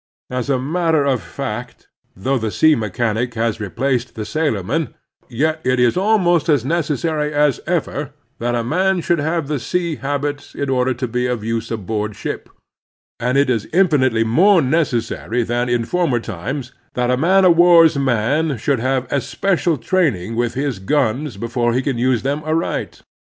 " As a matter of fact, though the sea mechanic has replaced the sailorman, yet it is almost as Preparedness and Unpreparedness 167 necessary as ever that a man shotild have the sea habit in order to be of use aboard ship ; and it is infinitely more necessary than in former times that a man of war*s man should have especial training with his guns before he can use them aright.